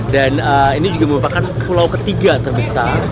dan ini juga merupakan pulau ketiga terbesar di anambas